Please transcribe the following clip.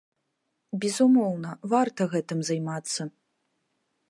Безумоўна, варта гэтым займацца.